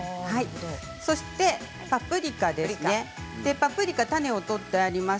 そしてパプリカです。